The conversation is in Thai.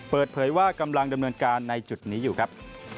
เปิดเผยว่ากำลังดำเนินการในจุดนี้อยู่ครับ